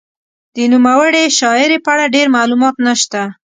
د نوموړې شاعرې په اړه ډېر معلومات نشته.